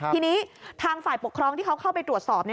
ทีนี้ทางฝ่ายปกครองที่เขาเข้าไปตรวจสอบ